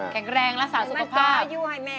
แข็งแรงและสาวสุขภาพ